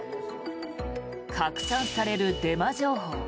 拡散されるデマ情報。